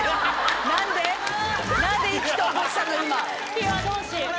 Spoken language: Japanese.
ピュア同士。